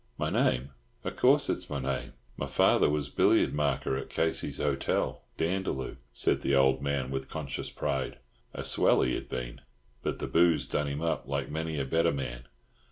"My name? O' course it's my name. My father was billiard marker at Casey's Hotel, Dandaloo," said the old man with conscious pride. "A swell he had been, but the boose done him up, like many a better man.